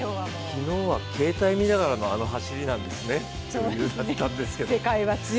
昨日は携帯見ながらのあの走りなんですねという余裕だったんですけど。